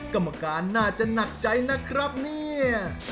กรรมการน่าจะหนักใจนะครับเนี่ย